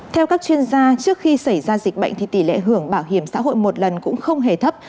theo các chuyên gia trước khi xảy ra dịch bệnh thì tỷ lệ hưởng bảo hiểm xã hội một lần cũng không hề thấp